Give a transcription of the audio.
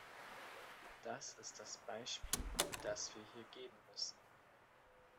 Das ist das Beispiel, das wir hier geben müssen.